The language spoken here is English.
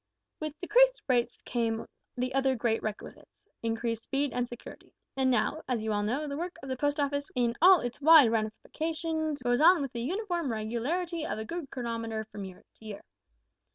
"With decreased rates came the other great requisites, increased speed and security; and now, as you all know, the work of the Post Office, in all its wide ramifications, goes on with the uniform regularity of a good chronometer from year to year.